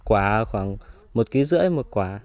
một quả khoảng một ký rưỡi một quả